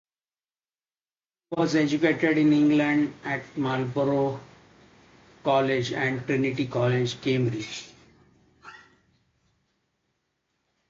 He was educated in England at Marlborough College and Trinity College, Cambridge.